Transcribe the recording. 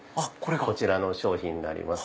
こちらの商品になります。